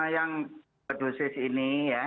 yang dosis ini ya